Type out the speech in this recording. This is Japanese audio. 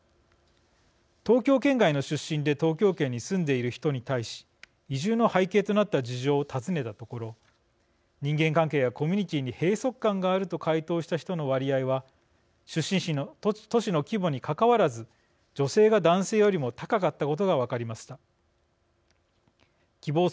東京圏外の出身で東京圏に住んでいる人に対し移住の背景となった事情を尋ねたところ人間関係やコミュニティーに閉塞感があると回答した人の割合は出身地の都市の規模にかかわらず女性が男性よりも高かったことが分かります。